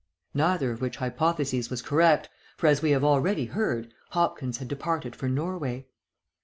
Neither of which hypotheses was correct, for as we have already heard, Hopkins had departed for Norway.